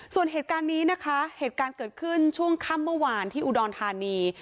ส่วนเหตุการณ์นี้นะคะเหตุการณ์เกิดขึ้นช่วงค่ำเมื่อวานที่อุดรธานี